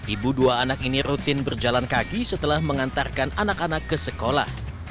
ibu dua anak ini rutin berjalan kaki setelah mengantarkan anak anak ke sekolah